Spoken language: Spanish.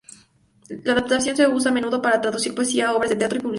La adaptación se usa a menudo para traducir poesía, obras de teatro y publicidad.